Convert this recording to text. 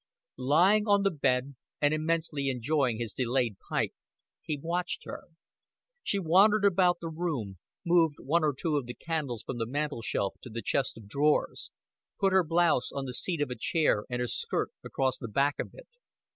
Lying on the bed and immensely enjoying his delayed pipe, he watched her. She wandered about the room, moved one of the two candles from the mantel shelf to the chest of drawers, put her blouse on the seat of a chair and her skirt across the back of it.